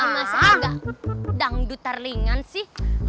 masanya gak dangdutar lingan sih